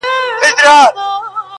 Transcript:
یوه ږغ کړه چي ګوربت ظالم مرغه دی-